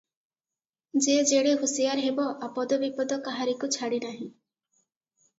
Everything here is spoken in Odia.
ଯେ ଯେଡ଼େ ହୁସିଆର ହେବ, ଆପଦ ବିପଦ କାହାରିକୁ ଛାଡ଼ିନାହିଁ ।